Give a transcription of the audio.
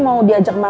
terus tunggu juga ya